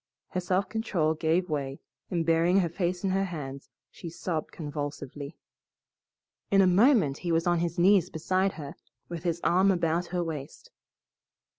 Her self control gave way, and burying her face in her hands, she sobbed convulsively. In a moment he was on his knees beside her, with his arm about her waist.